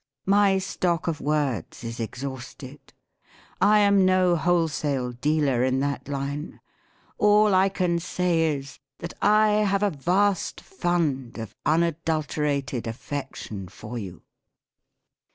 My stock of words is ex hausted, I am no wholesale dealer in that line. All I can say is, that I have a vast fund of unadulterated affection for you."